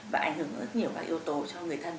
và ảnh hưởng rất nhiều các yếu tố cho người thân